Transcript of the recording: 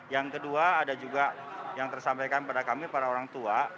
yang kedua ada juga yang tersampaikan pada kami para orang tua